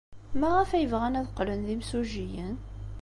Maɣef ay bɣan ad qqlen d imsujjiyen?